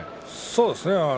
そうですね。